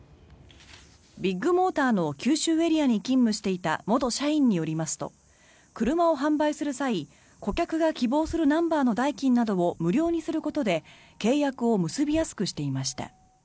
ビッグモーターの九州エリアに勤務していた元社員によりますと車を販売する際顧客が希望するナンバーの代金などを無料にすることで契約を結びやすくしていました。